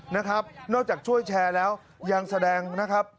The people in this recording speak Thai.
นะครับนอกจากช่วยแชร์แล้วยังแสดงนะครับ